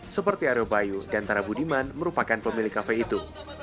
seperti are bayu dan tara budiman merupakan pemilik kafe itu